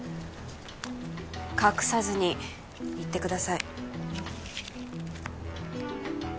隠さずに言ってください